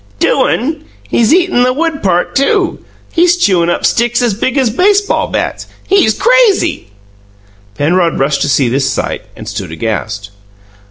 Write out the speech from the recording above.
"Doin'! He's eatin' the wood part, too! He's chewin' up sticks as big as baseball bats! He's crazy!" Penrod rushed to see this sight, and stood aghast.